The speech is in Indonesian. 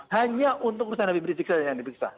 hanya untuk usaha nabi bridegsa yang dipiksa